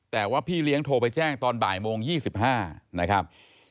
แต่ว่าพี่เลี้ยงโทรไปแจ้งตอนบ่ายโมง๒๕นะครับ